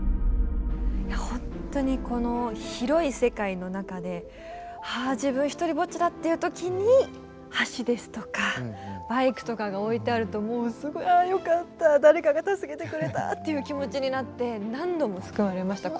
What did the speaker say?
ほんとにこの広い世界の中で「あ自分ひとりぼっちだ」っていう時に橋ですとかバイクとかが置いてあるともうすごい「あよかった誰かが助けてくれた」っていう気持ちになって何度も救われました